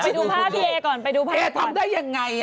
ไปดูภาพพี่เอก่อนก่อนเอทำได้อย่างไร